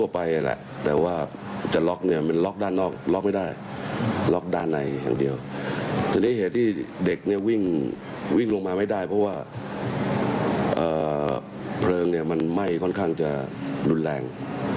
เพราะว่าเพลิงมันไหม้ค่อนข้างจะรุนแรง